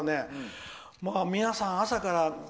皆さん、朝から。